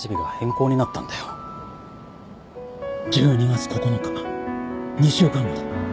１２月９日２週間後だ。